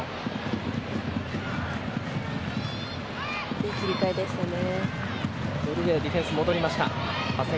いい切り替えでしたね。